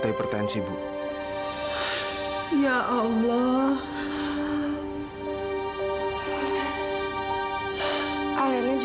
anak yang selama ini